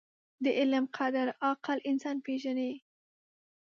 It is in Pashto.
• د علم قدر، عاقل انسان پېژني.